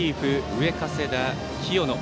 上加世田、清野。